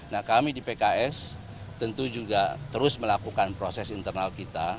nah kami di pks tentu juga terus melakukan proses internal kita